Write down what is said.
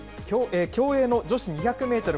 競泳の女子２００メートル